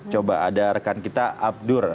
coba ada rekan kita abdur